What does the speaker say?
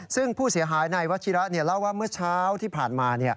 ซึ่งผู้เสียหายนายวัชชีระเนี่ยเด้อเล่าว่าเมื่อเช้าที่ผ่านมา